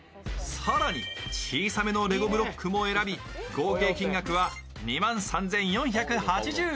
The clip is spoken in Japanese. さらに小さめのレゴブロックも選び合計金額は２万３４８０円。